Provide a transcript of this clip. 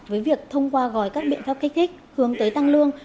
với việc thông qua gói các biện pháp kích thích hướng tới tăng lương